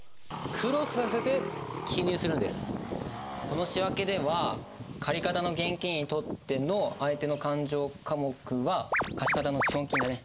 この仕訳では借方の現金にとっての相手の勘定科目は貸方の資本金だね。